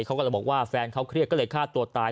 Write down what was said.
เขาก็เลยบอกว่าแฟนเขาเครียดก็เลยฆ่าตัวตาย